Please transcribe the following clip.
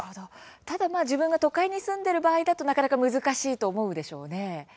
ただ自分が都会に住んでいる場合だとなかなか難しいと思うでしょうね。